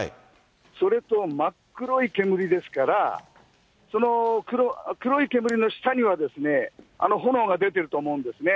それと真っ黒い煙ですから、その黒い煙の下にはですね、炎が出ていると思うんですね。